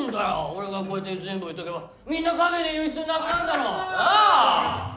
俺がこうやって全部言っとけばみんな陰で言う必要なくなるだろなぁ？